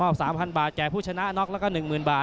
๓๐๐บาทแก่ผู้ชนะน็อกแล้วก็๑๐๐๐บาท